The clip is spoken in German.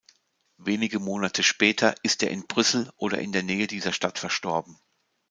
Wenige Monate später ist er in Brüssel oder in der Nähe dieser Stadt verstorben.